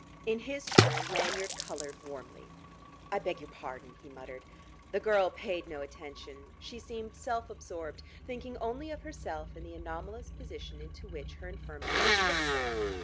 In his turn, Lanyard coloured warmly. "I beg your pardon," he muttered. The girl paid no attention; she seemed self absorbed, thinking only of herself and the anomalous position into which her infirmity had tricked her.